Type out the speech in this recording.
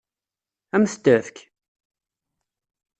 Ad m-t-tefk?